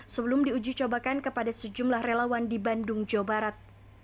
sebelum diuji cobakan kepada sejumlah relawan di bandung jawa barat